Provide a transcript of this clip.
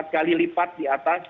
empat kali lipat di atas